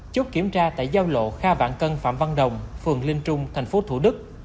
chốt kiểm tra tại giao lộ kha vạn cân phạm văn đồng phường linh trung thành phố thủ đức